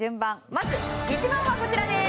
まず１番はこちらです。